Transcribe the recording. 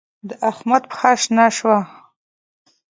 د احمد پښه شنه شوه.